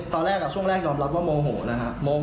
ตอนแรกช่วงแรกยอมรับว่าโมโหนะครับ